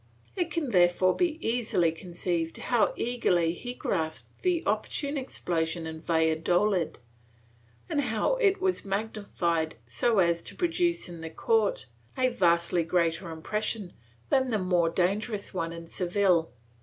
^ It can therefore be easily conceived how eagerly he grasped the opportune explosion in Valladolid and how it was magnified so as to produce on the court a vastly greater impression than the more dangerous one in Seville.